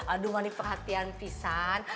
aduh mandi perhatian pisang